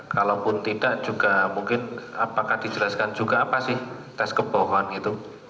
kalaupun tidak juga mungkin apakah dijelaskan juga apa sih tes kebohongan itu